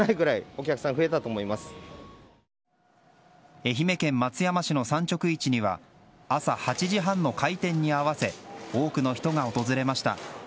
愛媛県松山市の産直市には朝８時半の開店に合わせ多くの人が訪れました。